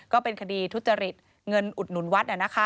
ก็เป็นคดีทุจริตเงินอุดหนุนวัด